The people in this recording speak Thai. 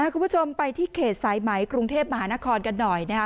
คุณผู้ชมไปที่เขตสายไหมกรุงเทพมหานครกันหน่อยนะคะ